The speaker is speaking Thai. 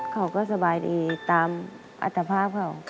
เขาก็สบายดีตามอัตภาพเขา